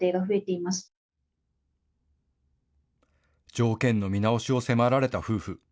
条件の見直しを迫られた夫婦。